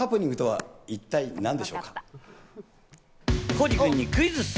浩次君にクイズッス！